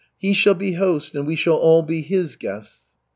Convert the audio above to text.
He shall be host, and we shall all be his guests."